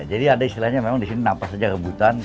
jadi ada istilahnya memang disini nafas saja rebutan